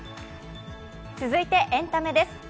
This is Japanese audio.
続いてエンタメです。